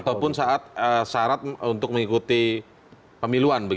ataupun syarat untuk mengikuti pemiluan